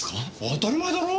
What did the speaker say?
当たり前だろ！